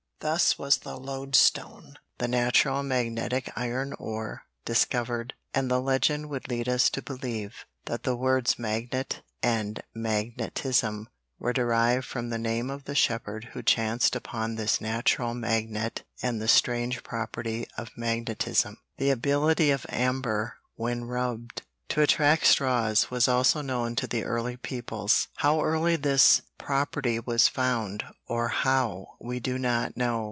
Thus was the lodestone, the natural magnetic iron ore, discovered, and the legend would lead us to believe that the words magnet and magnetism were derived from the name of the shepherd who chanced upon this natural magnet and the strange property of magnetism. The ability of amber, when rubbed, to attract straws, was also known to the early peoples. How early this property was found, or how, we do not know.